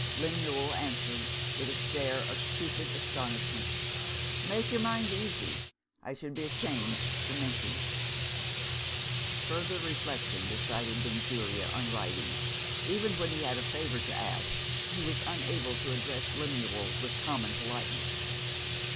Lemuel answered, with a stare of stupid astonishment, "Make your mind easy; I should be ashamed to mention it." Further reflection decided Benjulia on writing. Even when he had a favour to ask, he was unable to address Lemuel with common politeness.